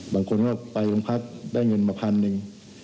บางคนก็ไปโรงพักได้เงินมาพันหนึ่ง